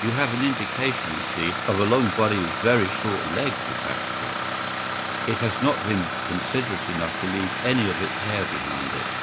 You have an indication, you see, of a long body with very short legs attached to it. It has not been considerate enough to leave any of its hair behind it.